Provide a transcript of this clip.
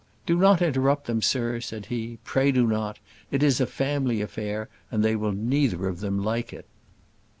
"Do not interrupt them, sir," said he; "pray do not. It is a family affair, and they will neither of them like it."